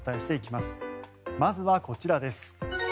まずはこちらです。